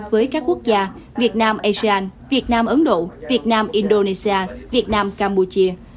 với các quốc gia việt nam asian việt nam ấn độ việt nam indonesia việt nam cambodia